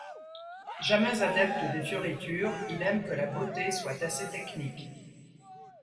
Jamais adepte des fioritures, il aime que la beauté soit assez technique.